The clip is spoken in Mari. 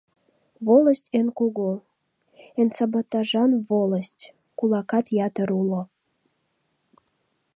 Волость эн кугу, эн саботажан волость, кулакат ятыр уло.